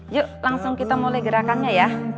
yuk langsung kita mulai gerakannya ya